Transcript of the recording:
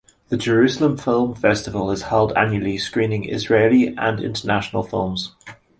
The Jerusalem Film Festival is held annually, screening Israeli and international films.